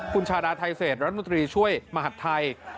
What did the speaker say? คุณชาดาไทเศษรัฐมนตรีช่วยมหัฐไทย